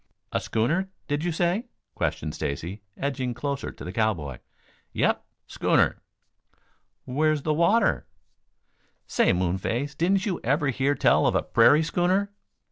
"A schooner, did you say?" questioned Stacy, edging closer to the cowboy. "Yep; schooner." "Where's the water?" "Say, moon face, didn't you ever hear tell of a prairie schooner!"